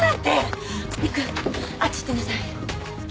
陸あっち行ってなさい。